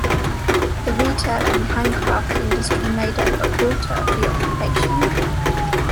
The retail and handcraft industry made up a quarter of the occupation.